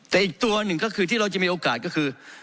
แต่อีกตัวหนึ่งก็คือที่เราจะมีโอกาสก็คือ